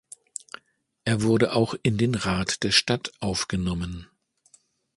Er wurde auch in den Rat der Stadt aufgenommen.